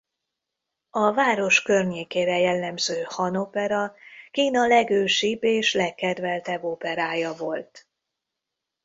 A város környékére jellemző Han opera Kína legősibb és legkedveltebb operája volt.